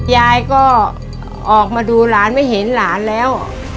ยายก็ออกมาดูหลานไม่เห็นหลานแล้ว